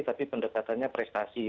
tapi pendekatannya prestasi